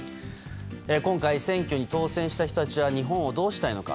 今回、選挙に当選した人たちは日本をどうしたいのか。